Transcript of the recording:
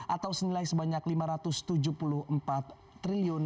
atau senilai sebanyak lima ratus triliun